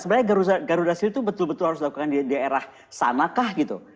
sebenarnya garuda shield itu betul betul harus dilakukan di daerah sanakah gitu